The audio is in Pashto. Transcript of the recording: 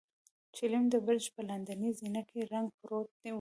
چيلم د برج په لاندنۍ زينه کې ړنګ پروت و.